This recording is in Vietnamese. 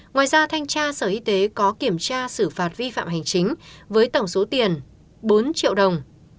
ngoài ra thanh tra sở y tế có kiểm tra xử phạt vi phạm hành chính với tổng số tiền bốn triệu đồng